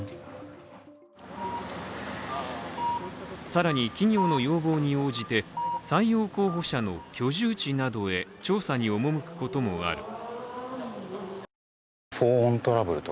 更に、企業の要望に応じて採用候補者の居住地などへ調査に赴くこともある。